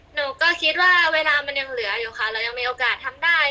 หนูก็คิดว่าเวลามันยังเหลืออยู่ค่ะเรายังมีโอกาสทำได้